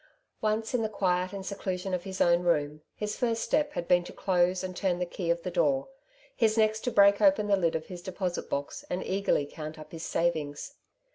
Once in the quiet and seclusion of his own room, his first step had been to close and turn the key of the door, his next to break open the lid of his deposit box, and eagerly count up his savings.